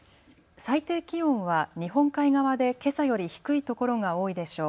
最低気温は日本海側でけさより低いところが多いでしょう。